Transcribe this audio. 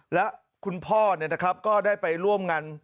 แล้วคุณพ่อเนี่ยนะครับก็ได้ไปร่วมงาน